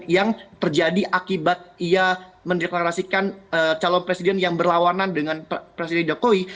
yang terjadi akibat ia mendeklarasikan calon presiden yang berlawanan dengan presiden jokowi